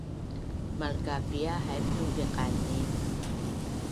Malkapia haip tu diqanin?